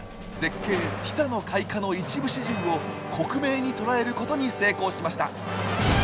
「ティサの開花」の一部始終を克明にとらえることに成功しました。